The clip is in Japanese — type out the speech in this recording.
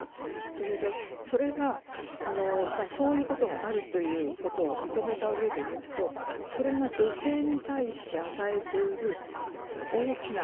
それでそれはそういうことがあるということを認めたうえで言うとそれが女性に対して与えている大きな影響